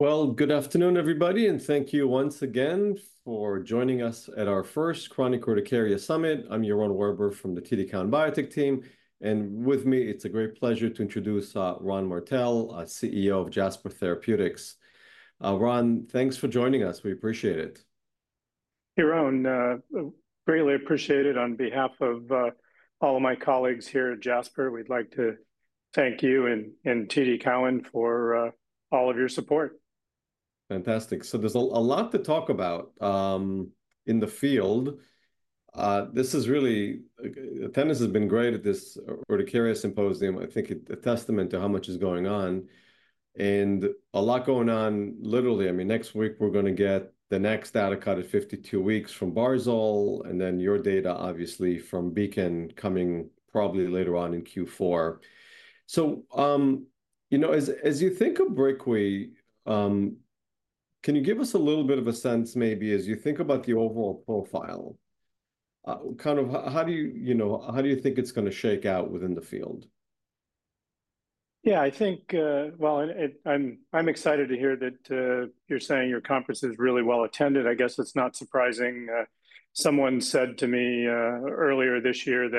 Good afternoon, everybody and thank you once again for joining us at our first Chronic Urticaria Summit. I'm Yaron Werber from the TD Cowen Biotech team, and with me, it's a great pleasure to introduce Ron Martell, CEO of Jasper Therapeutics. Ron, thanks for joining us. We appreciate it. Yaron, greatly appreciated on behalf of all of my colleagues here at Jasper. We'd like to thank you and TD Cowen for all of your support. Fantastic. So there's a lot to talk about in the field. This is really... Attendance has been great at this urticaria symposium. I think it's a testament to how much is going on, and a lot going on, literally. I mean, next week, we're gonna get the next data cut at 52 weeks from Barzol, and then your data, obviously, from Beacon coming probably later on in Q4. So, you know, as you think of briquilamb, can you give us a little bit of a sense maybe, as you think about the overall profile, kind of how do you, you know, how do you think it's gonna shake out within the field? Yeah, I think I'm excited to hear that you're saying your conference is really well attended. I guess it's not surprising. Someone said to me earlier this year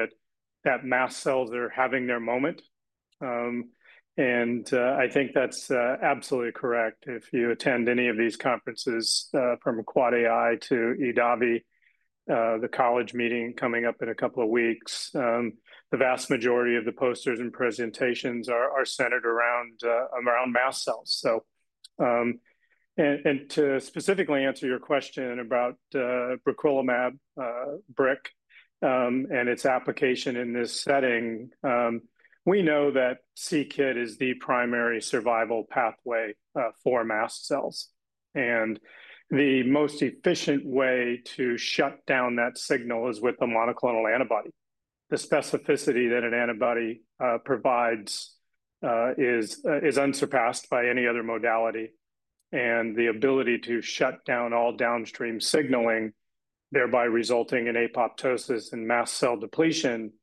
that mast cells are having their moment. I think that's absolutely correct. If you attend any of these conferences from AAAAI to EADV, the college meeting coming up in a couple of weeks, the vast majority of the posters and presentations are centered around mast cells. To specifically answer your question about briquilimab, briquilamb, and its application in this setting, we know that c-Kit is the primary survival pathway for mast cells, and the most efficient way to shut down that signal is with the monoclonal antibody. The specificity that an antibody provides is unsurpassed by any other modality, and the ability to shut down all downstream signaling, thereby resulting in apoptosis and mast cell depletion.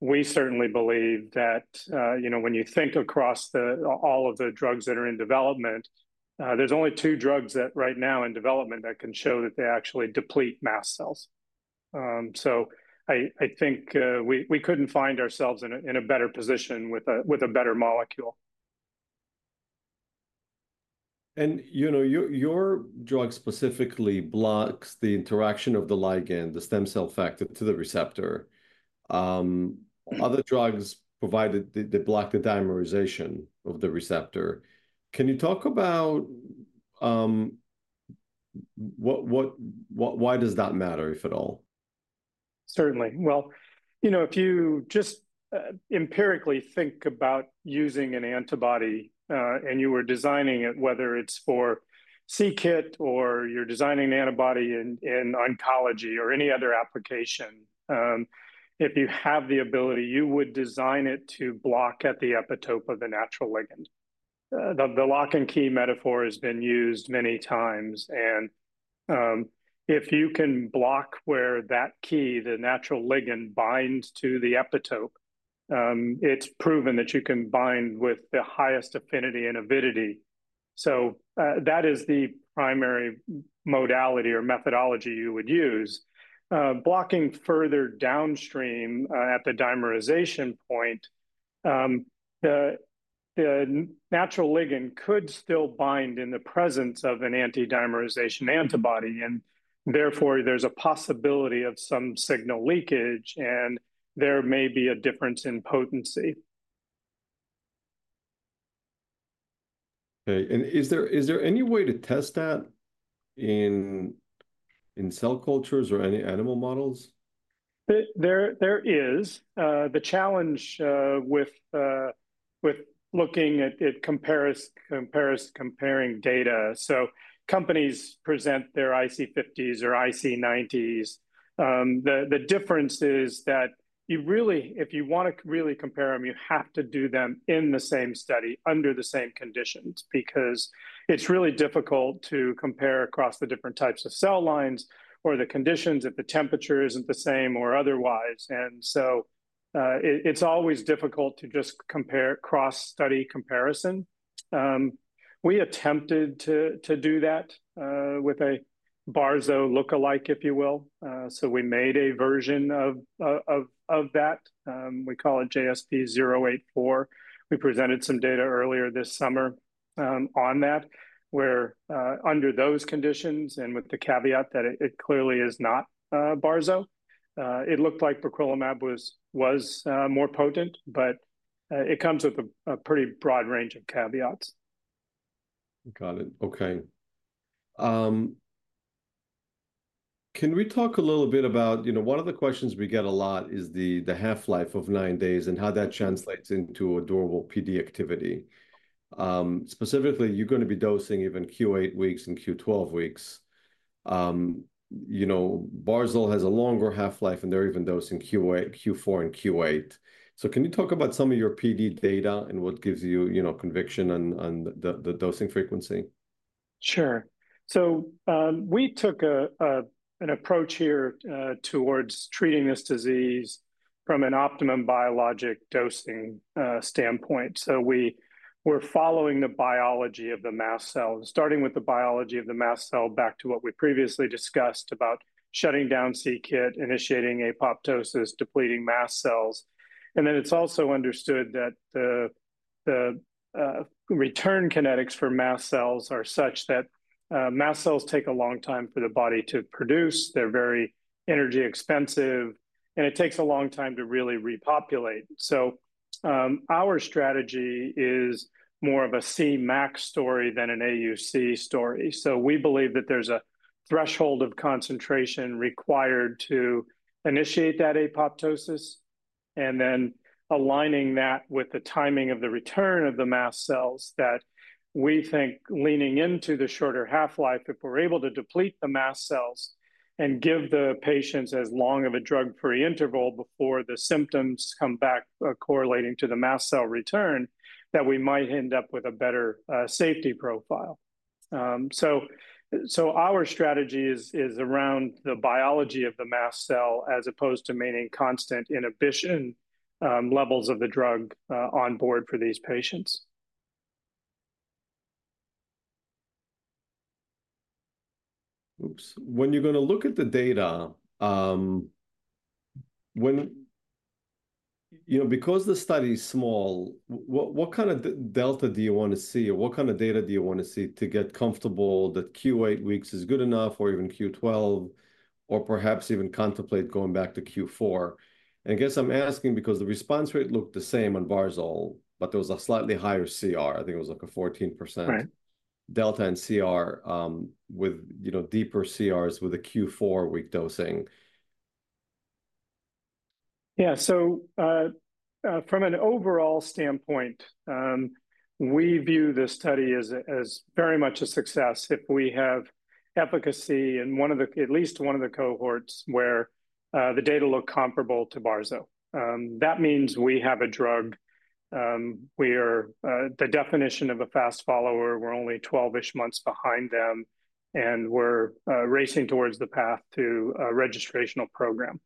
We certainly believe that, you know, when you think across all of the drugs that are in development, there's only two drugs that right now in development that can show that they actually deplete mast cells. So I think we couldn't find ourselves in a better position with a better molecule. You know, your drug specifically blocks the interaction of the ligand, the Stem Cell Factor to the receptor. Other drugs provided they block the dimerization of the receptor. Can you talk about why does that matter, if at all? Certainly. Well, you know, if you just empirically think about using an antibody, and you were designing it, whether it's for c-Kit, or you're designing an antibody in oncology or any other application, if you have the ability, you would design it to block at the epitope of the natural ligand. The lock and key metaphor has been used many times, and if you can block where that key, the natural ligand, binds to the epitope, it's proven that you can bind with the highest affinity and avidity. So, that is the primary modality or methodology you would use. Blocking further downstream at the dimerization point, the natural ligand could still bind in the presence of an anti-dimerization antibody, and therefore, there's a possibility of some signal leakage, and there may be a difference in potency. Okay, and is there any way to test that in cell cultures or any animal models? There is the challenge with looking at comparing data. So companies present their IC50s or IC90s. The difference is that you really, if you wanna really compare them, you have to do them in the same study, under the same conditions, because it's really difficult to compare across the different types of cell lines or the conditions if the temperature isn't the same or otherwise. And so, it's always difficult to just compare cross-study comparison. We attempted to do that with a Barzo lookalike, if you will. So we made a version of that, we call it JSP084. We presented some data earlier this summer on that, where under those conditions and with the caveat that it clearly is not Barzo, it looked like briquilimab was more potent, but it comes with a pretty broad range of caveats. Got it. Okay. Can we talk a little bit about... You know, one of the questions we get a lot is the half-life of nine days and how that translates into durable PD activity. Specifically, you're gonna be dosing even Q8 weeks and Q12 weeks. You know, Barzo has a longer half-life, and they're even dosing Q8, Q4, and Q8. So can you talk about some of your PD data and what gives you, you know, conviction on the dosing frequency? Sure. So, we took an approach here towards treating this disease from an optimum biologic dosing standpoint. So we're following the biology of the mast cells, starting with the biology of the mast cell back to what we previously discussed about shutting down c-kit, initiating apoptosis, depleting mast cells. And then, it's also understood that the return kinetics for mast cells are such that mast cells take a long time for the body to produce. They're very energy expensive, and it takes a long time to really repopulate. So, our strategy is more of a Cmax story than an AUC story. So we believe that there's a threshold of concentration required to initiate that apoptosis, and then aligning that with the timing of the return of the mast cells that we think leaning into the shorter half-life, if we're able to deplete the mast cells and give the patients as long of a drug-free interval before the symptoms come back, correlating to the mast cell return, that we might end up with a better safety profile. So our strategy is around the biology of the mast cell, as opposed to maintaining constant inhibition levels of the drug on board for these patients. Oops. When you're gonna look at the data, you know, because the study is small, what kind of delta do you want to see, or what kind of data do you want to see to get comfortable that Q-eight weeks is good enough or even Q-12, or perhaps even contemplate going back to Q-four? I guess I'm asking because the response rate looked the same on Barzolvolimab, but there was a slightly higher CR. I think it was, like, a 14%- Right ... delta in CR, with, you know, deeper CRs with a Q-four-week dosing. Yeah. So, from an overall standpoint, we view this study as very much a success. If we have efficacy in at least one of the cohorts where the data look comparable to Barzo, that means we have a drug. We are the definition of a fast follower. We're only twelve-ish months behind them, and we're racing towards the path to a registrational program.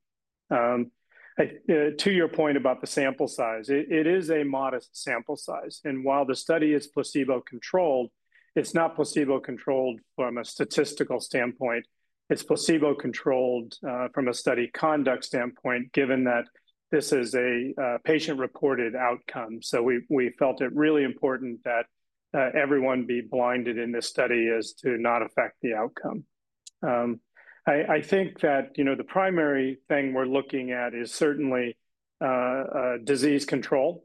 To your point about the sample size, it is a modest sample size, and while the study is placebo-controlled, it's not placebo-controlled from a statistical standpoint. It's placebo-controlled from a study conduct standpoint, given that this is a patient-reported outcome. So we felt it really important that everyone be blinded in this study as to not affect the outcome. I think that, you know, the primary thing we're looking at is certainly disease control.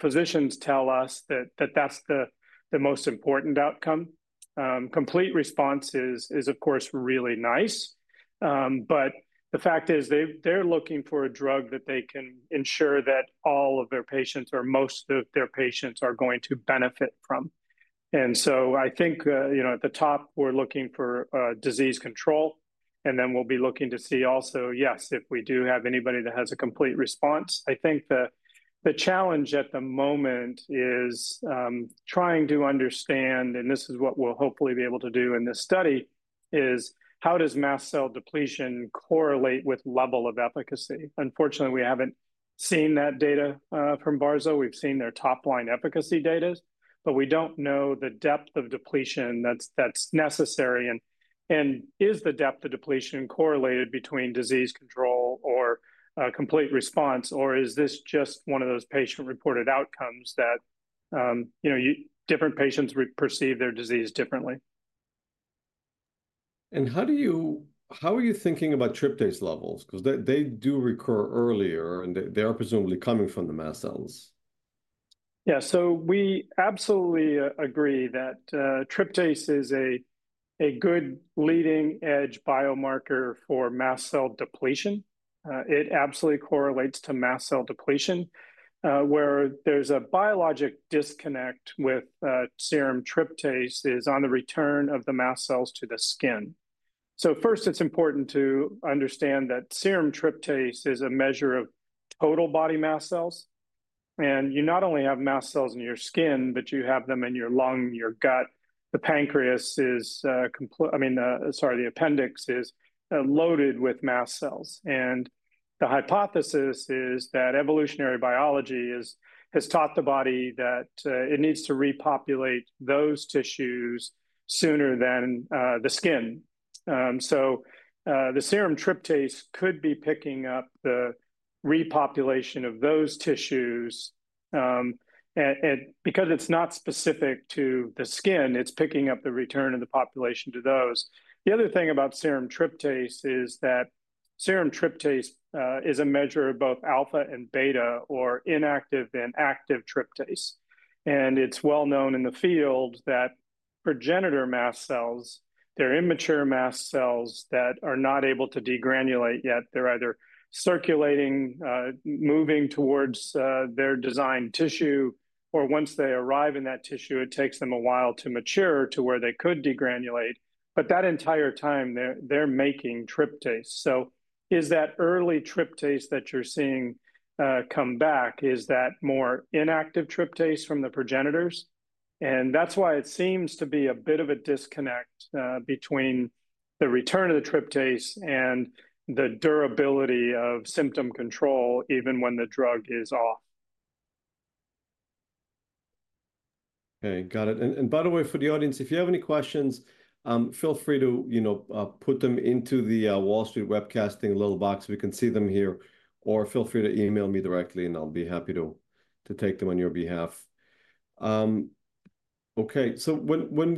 Physicians tell us that that's the most important outcome. Complete response is, of course, really nice, but the fact is, they're looking for a drug that they can ensure that all of their patients, or most of their patients, are going to benefit from. And so I think, you know, at the top, we're looking for disease control, and then we'll be looking to see also, yes, if we do have anybody that has a complete response. I think the challenge at the moment is trying to understand, and this is what we'll hopefully be able to do in this study, is how does mast cell depletion correlate with level of efficacy? Unfortunately, we haven't seen that data from Barzol. We've seen their top-line efficacy data, but we don't know the depth of depletion that's necessary. And is the depth of depletion correlated between disease control or complete response, or is this just one of those patient-reported outcomes that you know, different patients perceive their disease differently? How do you-- how are you thinking about tryptase levels? 'Cause they, they do recur earlier, and they, they are presumably coming from the mast cells. Yeah. So we absolutely agree that tryptase is a good leading-edge biomarker for mast cell depletion. It absolutely correlates to mast cell depletion. Where there's a biologic disconnect with serum tryptase is on the return of the mast cells to the skin. So first, it's important to understand that serum tryptase is a measure of total body mast cells, and you not only have mast cells in your skin, but you have them in your lung, your gut. I mean, sorry, the appendix is loaded with mast cells. And the hypothesis is that evolutionary biology has taught the body that it needs to repopulate those tissues sooner than the skin. So the serum tryptase could be picking up the repopulation of those tissues. Because it's not specific to the skin, it's picking up the return of the population to those. The other thing about serum tryptase is that it is a measure of both alpha and beta or inactive and active tryptase. It's well known in the field that progenitor mast cells, they're immature mast cells that are not able to degranulate yet. They're either circulating, moving towards their destined tissue, or once they arrive in that tissue, it takes them a while to mature to where they could degranulate. That entire time, they're making tryptase. So is that early tryptase that you're seeing come back, is that more inactive tryptase from the progenitors?... And that's why it seems to be a bit of a disconnect between the return of the tryptase and the durability of symptom control, even when the drug is off. Okay, got it. And by the way, for the audience, if you have any questions, feel free to, you know, put them into the Wall Street Webcasting little box. We can see them here, or feel free to email me directly, and I'll be happy to take them on your behalf. Okay, so when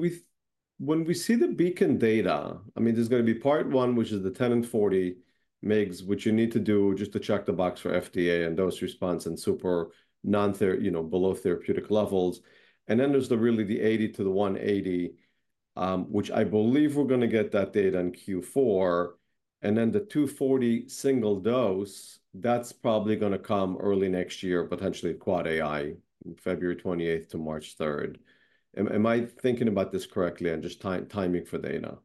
we see the beacon data, I mean, there's going to be part one, which is the 10 and 40 mgs, which you need to do just to check the box for FDA and dose response and super non-therapeutic, you know, below therapeutic levels. Then there's really the 80 to the 180, which I believe we're going to get that data in Q4, and then the 240 single dose, that's probably going to come early next year, potentially at Quad AI, February 28th to March 3rd. Am I thinking about this correctly on just timing for data?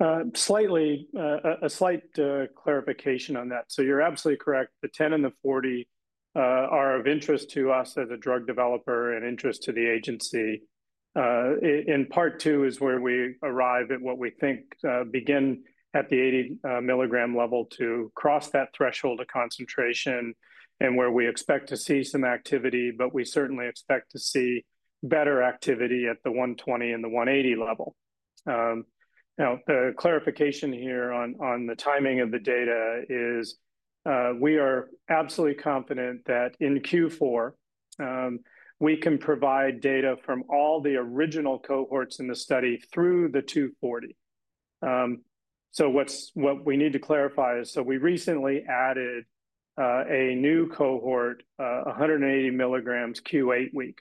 A slight clarification on that. So you're absolutely correct. The 10 and the 40 are of interest to us as a drug developer and interest to the agency. And part two is where we arrive at what we think, begin at the 80 milligram level to cross that threshold of concentration and where we expect to see some activity, but we certainly expect to see better activity at the 120 and the 180 level. Now, clarification here on the timing of the data is, we are absolutely confident that in Q4, we can provide data from all the original cohorts in the study through the 240. So, what we need to clarify is, so we recently added a new cohort, 180 milligrams Q8 week,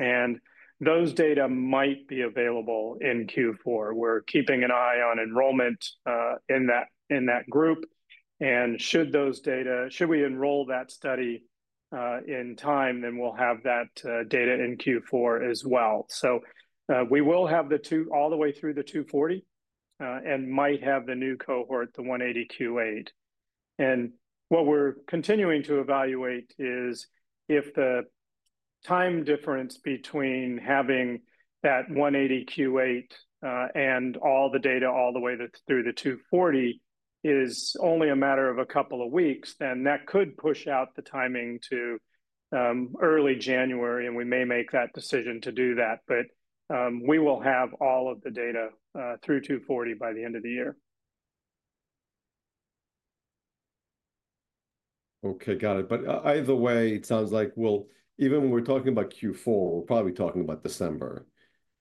and those data might be available in Q4. We're keeping an eye on enrollment in that group, and should we enroll that study in time, then we'll have that data in Q4 as well. So, we will have the two all the way through the 240, and might have the new cohort, the 180 Q8. And what we're continuing to evaluate is if the time difference between having that 180 Q8 and all the data all the way through the 240 is only a matter of a couple of weeks, then that could push out the timing to early January, and we may make that decision to do that. But we will have all of the data through 240 by the end of the year. Okay, got it. But either way, it sounds like we'll, even when we're talking about Q4, we're probably talking about December.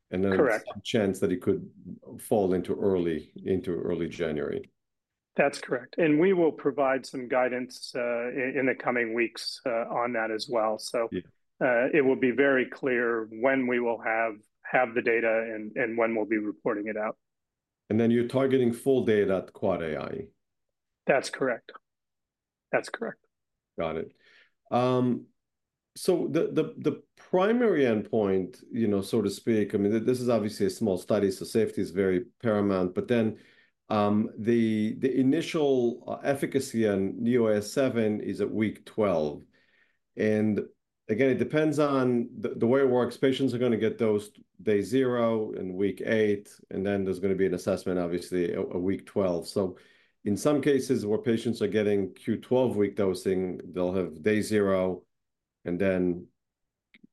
Correct. And then there's some chance that it could fall into early January. That's correct. And we will provide some guidance in the coming weeks on that as well. Yeah. So, it will be very clear when we will have the data and when we'll be reporting it out. And then you're targeting full data at Quad AI? That's correct. That's correct. Got it. So the primary endpoint, you know, so to speak, I mean, this is obviously a small study, so safety is very paramount. But then the initial efficacy on UAS7 is at week 12. And again, it depends on the way it works. Patients are going to get dosed day zero and week 8, and then there's going to be an assessment, obviously, at week 12. So in some cases where patients are getting Q12-week dosing, they'll have day zero, and then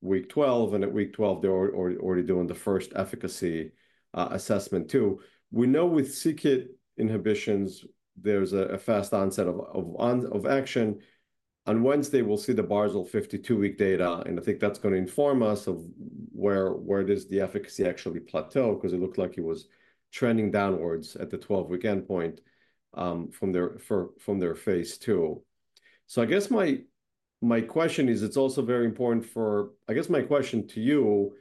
week 12, and at week 12, they're already doing the first efficacy assessment too. We know with c-Kit inhibitions, there's a fast onset of action. On Wednesday, we'll see the Barzo 52-week data, and I think that's going to inform us of where does the efficacy actually plateau, because it looked like it was trending downwards at the 12-week endpoint from their phase II. So I guess my question is, it's also very important for... I guess my question to you,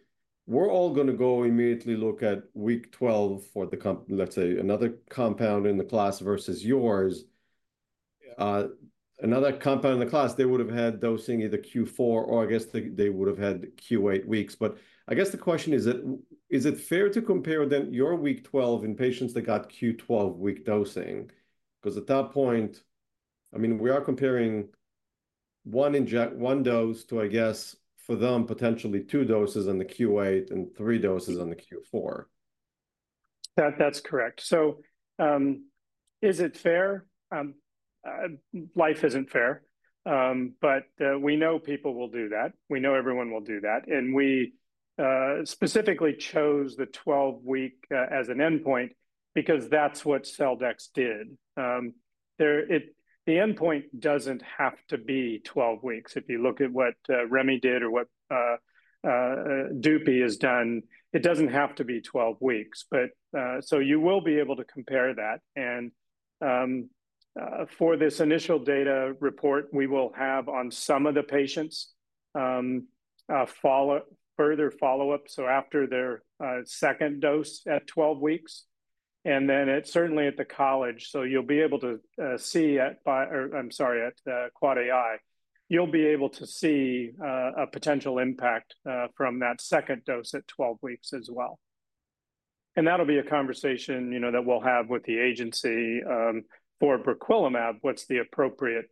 we're all going to go immediately look at week 12 for the, let's say, another compound in the class versus yours. Yeah. Another compound in the class, they would have had dosing either Q4, or I guess they would have had Q8 weeks. But I guess the question is, is it fair to compare then your week 12 in patients that got Q12-week dosing? Because at that point, I mean, we are comparing one dose to, I guess, for them, potentially two doses on the Q8 and three doses on the Q4. That's correct. So, is it fair? Life isn't fair, but we know people will do that. We know everyone will do that, and we specifically chose the 12-week as an endpoint because that's what Celldex did. The endpoint doesn't have to be 12 weeks. If you look at what Remi did or what Dupi has done, it doesn't have to be 12 weeks. But so you will be able to compare that, and for this initial data report, we will have on some of the patients follow-up, further follow-up, so after their second dose at 12 weeks, and then certainly at the college. So you'll be able to see at by... or I'm sorry, at Quad AI, you'll be able to see a potential impact from that second dose at twelve weeks as well. And that'll be a conversation, you know, that we'll have with the agency for briquilimab, what's the appropriate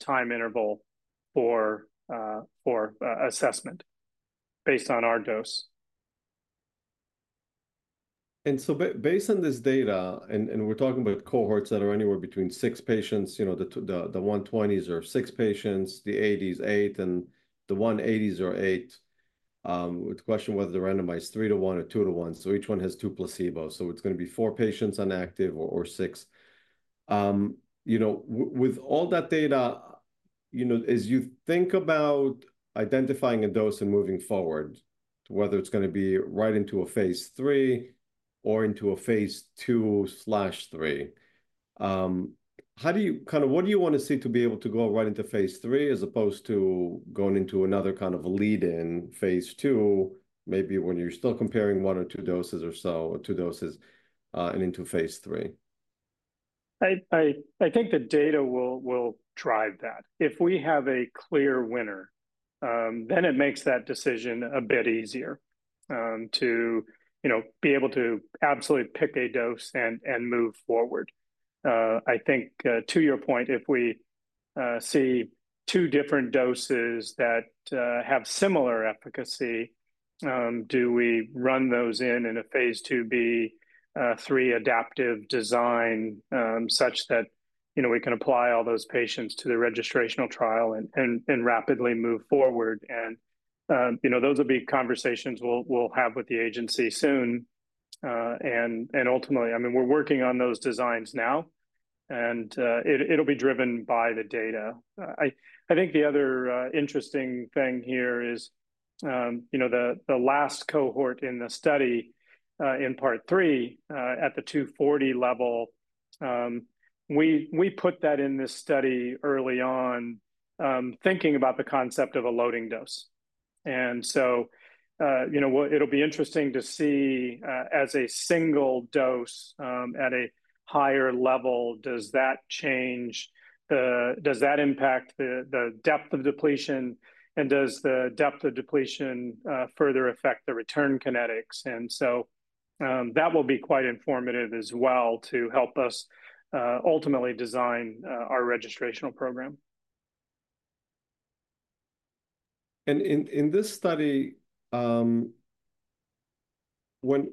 time interval for assessment based on our dose? And so based on this data, and we're talking about cohorts that are anywhere between six patients, you know, the 120s or six patients, the 80s or eight, and the 180s or eight. You know, with all that data, you know, as you think about identifying a dose and moving forward, whether it's gonna be right into a phase 3 or into a phase 2/3, how do you... Kind of, what do you want to see to be able to go right into phase three, as opposed to going into another kind of a lead-in phase two, maybe when you're still comparing one or two doses or so, or two doses, and into phase three? I think the data will drive that. If we have a clear winner, then it makes that decision a bit easier, to you know, be able to absolutely pick a dose and move forward. I think to your point, if we see two different doses that have similar efficacy, do we run those in a phase 2b, 3 adaptive design, such that you know, we can apply all those patients to the registrational trial and rapidly move forward? Those will be conversations we'll have with the agency soon. Ultimately, I mean, we're working on those designs now, and it'll be driven by the data. I think the other interesting thing here is, you know, the last cohort in the study, in part three, at the 240 level, we put that in this study early on, thinking about the concept of a loading dose. And so, you know what? It'll be interesting to see, as a single dose, at a higher level, does that impact the depth of depletion? And does the depth of depletion further affect the return kinetics? And so, that will be quite informative as well to help us ultimately design our registrational program. In this study, how long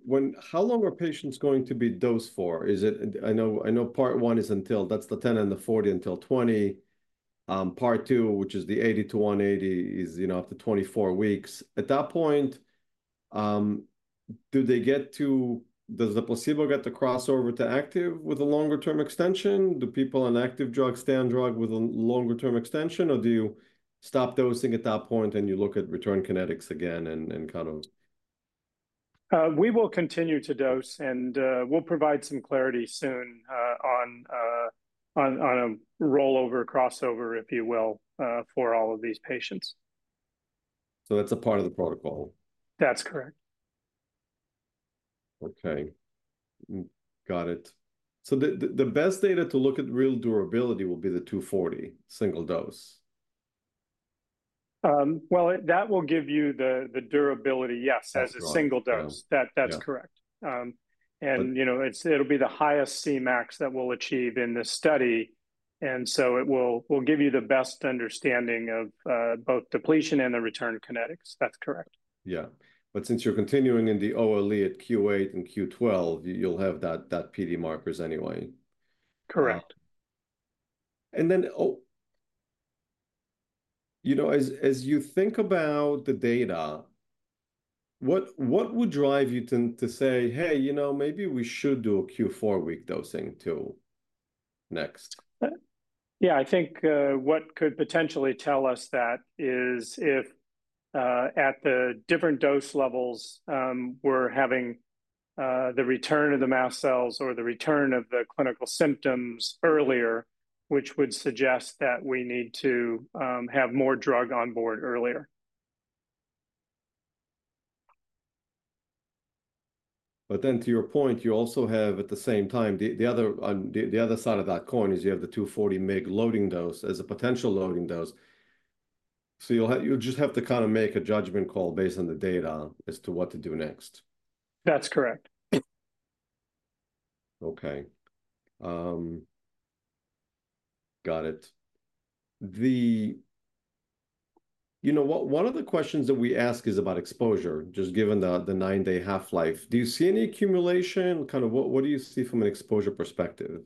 are patients going to be dosed for? Is it, I know part one is until that's the 10 and the 40 until 20. Part two, which is the 80 to 180, is, you know, up to 24 weeks. At that point, do they get to, does the placebo get to cross over to active with a longer term extension? Do people on active drug stay on drug with a longer term extension, or do you stop dosing at that point, and you look at return kinetics again and kind of...? We will continue to dose, and we'll provide some clarity soon on a rollover crossover, if you will, for all of these patients. So that's a part of the protocol? That's correct. Okay. Got it. So the best data to look at real durability will be the 240 single dose. Well, that will give you the durability, yes. That's right... as a single dose. Yeah. That, that's correct. Yeah. and, you know- But-... it's, it'll be the highest Cmax that we'll achieve in this study, and so it will give you the best understanding of both depletion and the return kinetics. That's correct. Yeah. But since you're continuing in the OLE at Q8 and Q12, you'll have that PD markers anyway. Correct. And then, you know, as you think about the data, what would drive you to say, "Hey, you know, maybe we should do a Q4 week dosing too next? Yeah, I think what could potentially tell us that is if at the different dose levels we're having the return of the mast cells or the return of the clinical symptoms earlier, which would suggest that we need to have more drug on board earlier. But then to your point, you also have, at the same time, the other side of that coin is you have the 240 mg loading dose as a potential loading dose. So you'll just have to kind of make a judgment call based on the data as to what to do next. That's correct. Okay. Got it. You know, one of the questions that we ask is about exposure, just given the nine-day half-life. Do you see any accumulation? Kind of, what do you see from an exposure perspective?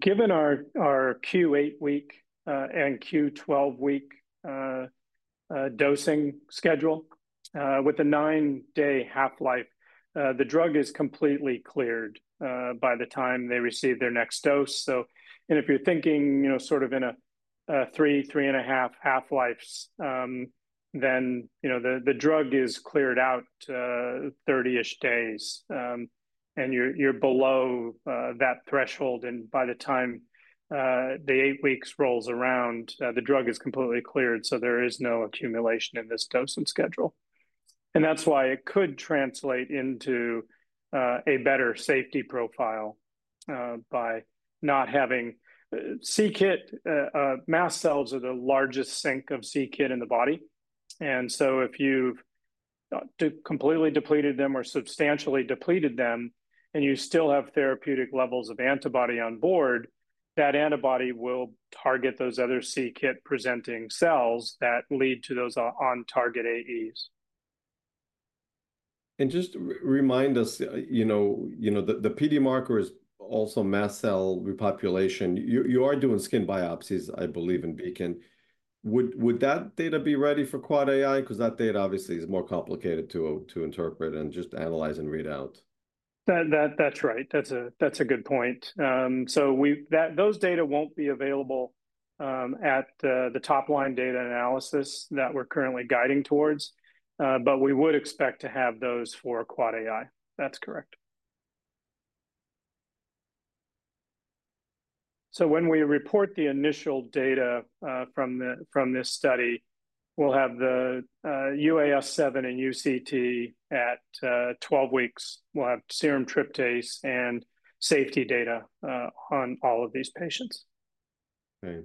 Given our Q8-week and Q12-week dosing schedule with a nine-day half-life, the drug is completely cleared by the time they receive their next dose. So. And if you're thinking, you know, sort of in a three, three and a half half-lives, then, you know, the drug is cleared out thirty-ish days, and you're below that threshold. And by the time the eight weeks rolls around, the drug is completely cleared, so there is no accumulation in this dosing schedule. And that's why it could translate into a better safety profile by not having c-kit. Mast cells are the largest sink of c-kit in the body. And so if you've completely depleted them or substantially depleted them, and you still have therapeutic levels of antibody on board, that antibody will target those other c-kit-presenting cells that lead to those on-target AEs. And just remind us, you know, the PD marker is also mast cell repopulation. You are doing skin biopsies, I believe, in BEACON. Would that data be ready for Quad AI? Because that data obviously is more complicated to interpret than just analyze and read out. That's right. That's a good point. So those data won't be available at the top-line data analysis that we're currently guiding towards. But we would expect to have those for Quad AI. That's correct. So when we report the initial data from this study, we'll have the UAS7 and UCT at 12 weeks. We'll have serum tryptase and safety data on all of these patients. Right.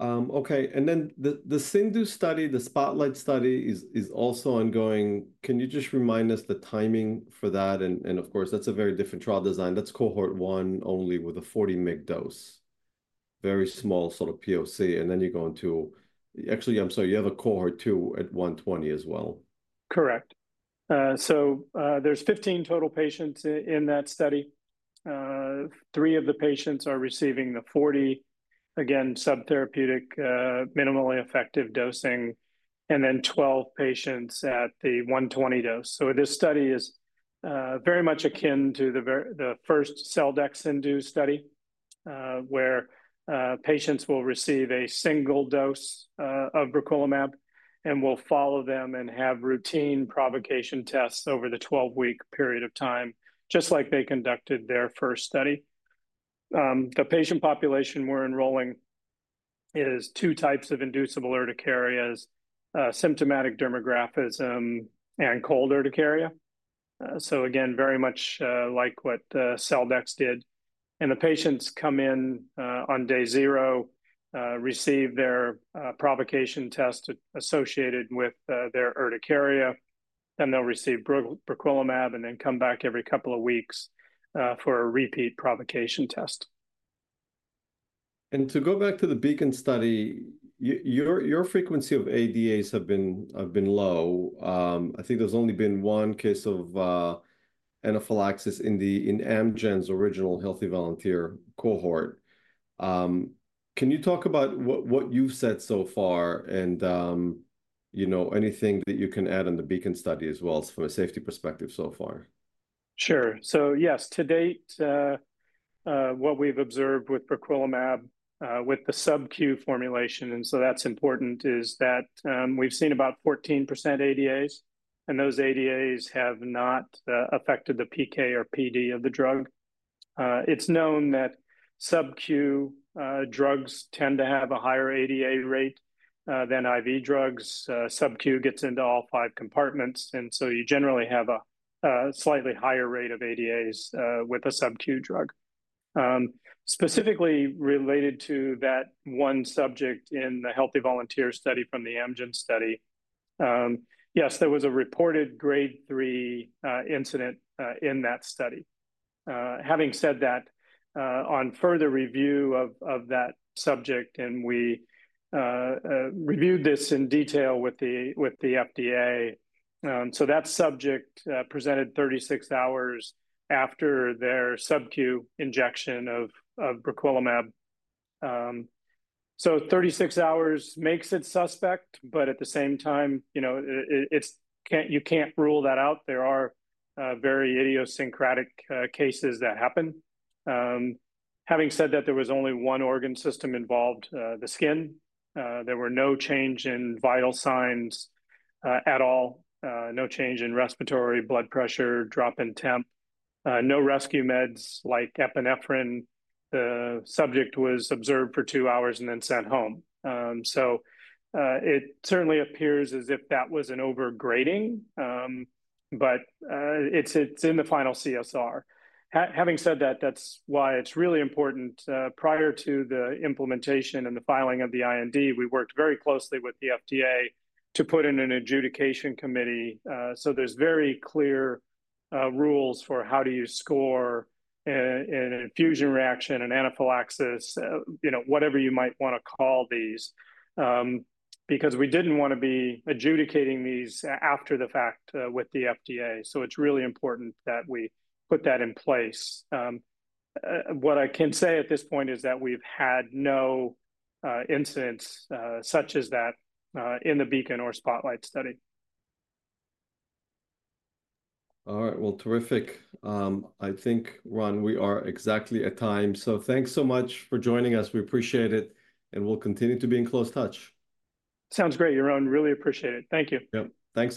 Okay, and then the CIndU study, the SPOTLIGHT study is also ongoing. Can you just remind us the timing for that? And, of course, that's a very different trial design. That's cohort one only with a 40 mg dose. Very small sort of POC, and then you go into... Actually, I'm sorry, you have a cohort two at 120 as well. Correct. So, there's 15 total patients in that study. Three of the patients are receiving the 40, again, subtherapeutic, minimally effective dosing, and then 12 patients at the 120 dose. So this study is very much akin to the first Celldex CIndU study, where patients will receive a single dose of briquilimab, and we'll follow them and have routine provocation tests over the 12-week period of time, just like they conducted their first study. The patient population we're enrolling is two types of inducible urticarias, symptomatic dermographism, and cold urticaria. So again, very much like what Celldex did. The patients come in on day zero, receive their provocation test associated with their urticaria, then they'll receive briquilimab, and then come back every couple of weeks for a repeat provocation test. To go back to the BEACON study, your frequency of ADAs have been low. I think there's only been one case of anaphylaxis in Amgen's original healthy volunteer cohort. Can you talk about what you've said so far and, you know, anything that you can add on the BEACON study as well from a safety perspective so far? Sure. So yes, to date, what we've observed with briquilimab, with the SubQ formulation, and so that's important, is that, we've seen about 14% ADAs, and those ADAs have not affected the PK or PD of the drug. It's known that SubQ drugs tend to have a higher ADA rate than IV drugs. Subq gets into all five compartments, and so you generally have a slightly higher rate of ADAs with a SubQ drug. Specifically related to that one subject in the healthy volunteer study from the Amgen study, yes, there was a reported grade 3 incident in that study. Having said that, on further review of that subject, and we reviewed this in detail with the FDA. So that subject presented 36 hours after their SubQ injection of briquilimab. So 36 hours makes it suspect, but at the same time, you know, it's... you can't rule that out. There are very idiosyncratic cases that happen. Having said that, there was only one organ system involved, the skin. There were no change in vital signs at all, no change in respiratory, blood pressure, drop in temp, no rescue meds like epinephrine. The subject was observed for two hours and then sent home. It certainly appears as if that was an over-grading, but it's in the final CSR. Having said that, that's why it's really important, prior to the implementation and the filing of the IND, we worked very closely with the FDA to put in an adjudication committee. So there's very clear rules for how do you score an infusion reaction, an anaphylaxis, you know, whatever you might wanna call these, because we didn't wanna be adjudicating these after the fact with the FDA. So it's really important that we put that in place. What I can say at this point is that we've had no incidents such as that in the BEACON or SPOTLIGHT study. All right. Well, terrific. I think, Ron, we are exactly at time. So thanks so much for joining us. We appreciate it, and we'll continue to be in close touch. Sounds great, Yaron. Really appreciate it. Thank you. Yep. Thank you.